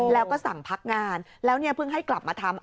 แล้วก็สั่งพักงานแล้วเนี่ยเพิ่งให้กลับมาทำ